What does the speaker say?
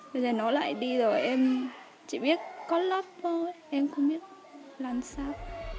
bây giờ nó lại đi rồi em chỉ biết có lớp thôi em không biết làm sao